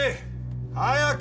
早く。